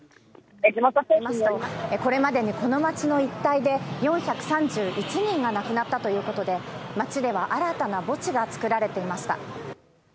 地元政府によりますとこれまでにこの町の一帯で４３１人が亡くなったということで街では新たな墓地が作られていました。